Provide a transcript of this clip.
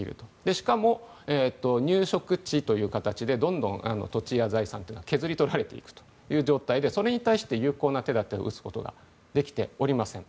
しかも、入植地という形でどんどん土地や財産が削り取られていく状態でそれに対して有効な手立てを打つことができておりません。